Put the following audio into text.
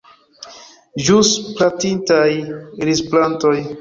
Ĵus plantitaj rizplantoj.